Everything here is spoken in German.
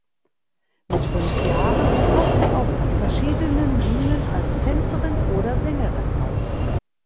Mit fünf Jahren trat sie auf verschiedenen Bühnen als Tänzerin oder Sängerin auf.